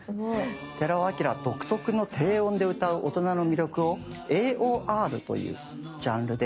寺尾聰独特の低音で歌う大人の魅力をＡＯＲというジャンルで大人気になったんです。